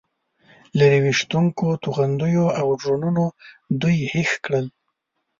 لرې ویشتونکو توغندیو او ډرونونو دوی هېښ کړل.